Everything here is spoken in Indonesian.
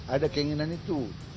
ada keinginan itu